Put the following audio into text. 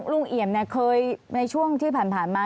ลุงเอี่ยมเนี่ยเคยในช่วงที่ผ่านมา